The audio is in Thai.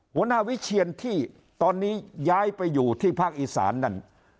หัวหน้าวิเชียนที่ตอนนี้ย้ายไปอยู่ที่ภาคอีสานนั่น